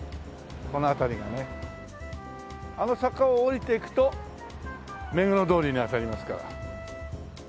あの坂を下りていくと目黒通りにあたりますから。